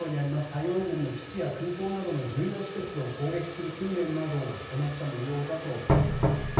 台湾軍の基地や空港などの重要施設を攻撃する訓練などを行った模様だと伝えています。